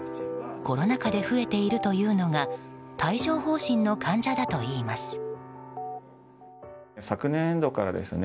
コロナ禍で増えているというのが帯状疱疹の患者だといいます。